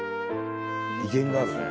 威厳があるね。